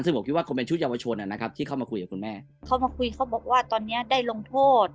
ซึ่งผมคิดว่าคงเป็นชุดเยาวชนอ่ะนะครับที่เข้ามาคุยกับคุณแม่เข้ามาคุยเขาบอกว่าตอนเนี้ยได้ลงโทษ